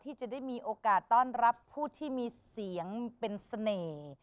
ที่จะได้มีโอกาสต้อนรับผู้ที่มีเสียงเป็นเสน่ห์